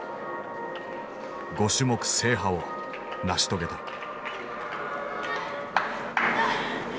５種目制覇を成し遂げた。